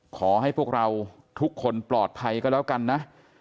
ขอให้พวกเราทุกคนปลอดภัยก็แล้วกันนะ